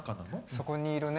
そこにいるね